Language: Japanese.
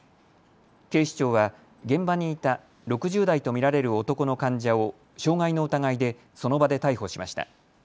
警視庁は現場にいた６０代と見られる男の患者を傷害の疑いでその場で逮捕しました。